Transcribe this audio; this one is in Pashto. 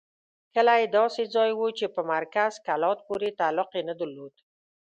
کلی داسې ځای وو چې په مرکز کلات پورې تعلق یې نه درلود.